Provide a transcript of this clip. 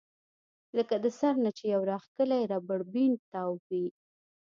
لکه د سر نه چې يو راښکلی ربر بېنډ تاو وي